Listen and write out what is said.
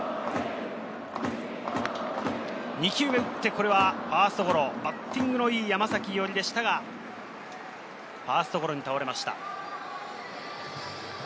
２球目打って、これはファーストゴロ、バッティングのいい山崎伊織でしたが、ファーストゴロに倒れました。